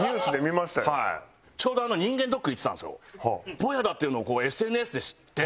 ボヤだっていうのをＳＮＳで知って。